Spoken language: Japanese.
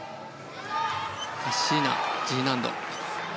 カッシーナ、Ｇ難度。